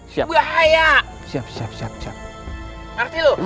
siap siap siap siap siap